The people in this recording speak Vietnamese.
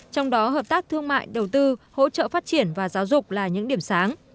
trong đó hợp tác thương mại đầu tư hỗ trợ phát triển và giáo dục là những điểm sáng